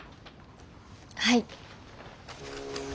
はい。